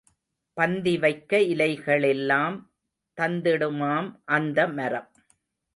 பந்திவைக்க இலைகளெலாம் தந்திடுமாம் அந்த மரம்.